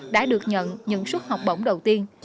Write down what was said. đã được nhận những xuất học bổng đầu tiên